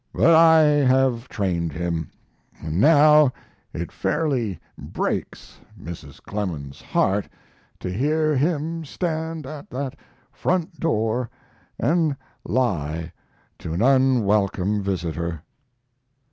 But I have trained him; and now it fairly breaks Mrs. Clemens's heart to hear him stand at that front door and lie to an unwelcome visitor.